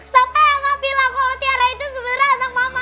kenapa yang gak bilang kalo tiara itu sebenernya anak mama